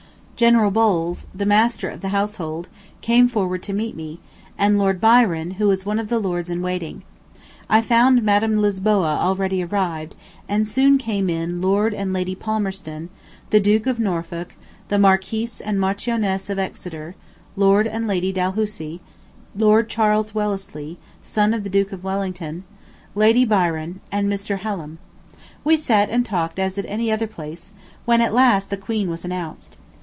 General Bowles, the Master of the Household, came forward to meet me, and Lord Byron, who is one of the Lords in Waiting. I found Madam Lisboa already arrived, and soon came in Lord and Lady Palmerston, the Duke of Norfolk, the Marquis and Marchioness of Exeter, Lord and Lady Dalhousie, Lord Charles Wellesley, son of the Duke of Wellington, Lady Byron, and Mr. Hallam. We sat and talked as at any other place, when at last the Queen was announced.